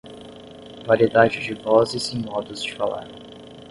variedade de vozes e modos de falar